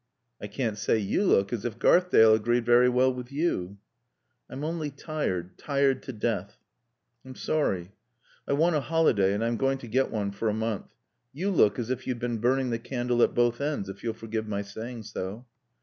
"I can't say you look as if Garthdale agreed very well with you." "I'm only tired tired to death." "I'm sorry." "I want a holiday. And I'm going to get one for a month. You look as if you'd been burning the candle at both ends, if you'll forgive my saying so."